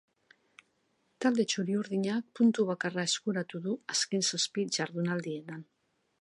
Talde txuri-urdinak puntu bakarra eskuratu du azken zazpi jardunaldietan.